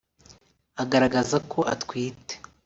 agaragaza ko atwite